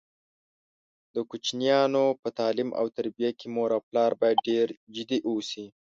د کوچینیانو په تعلیم او تربیه کې مور او پلار باید ډېر جدي اوسي.